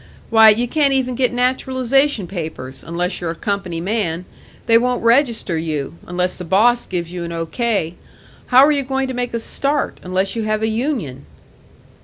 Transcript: Why, you can't even get naturalisation papers, unless you're a company man; they won't register you, unless the boss gives you an O. K. How are you going to make a start, unless you have a union?"